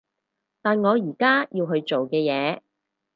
但我而家要去做嘅嘢